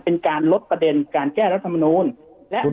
เป็นการลดประเด็นการแก้รัฐมนูล